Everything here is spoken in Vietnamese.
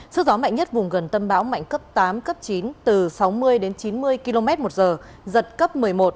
sức gió mạnh nhất vùng gần tâm bão mạnh cấp tám cấp chín từ sáu mươi đến chín mươi km một giờ giật cấp một mươi một